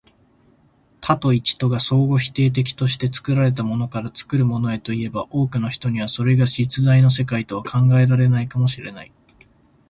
多と一とが相互否定的として、作られたものから作るものへといえば、多くの人にはそれが実在の世界とは考えられないかも知れない。